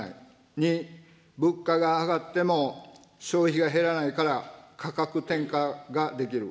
２、物価が上がっても消費が減らないから、価格転嫁ができる。